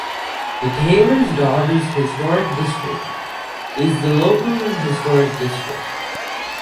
The Taylor's Daughters Historic District is the local historic district.